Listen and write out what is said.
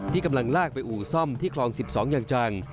กำลังลากไปอู่ซ่อมที่คลอง๑๒อย่างจัง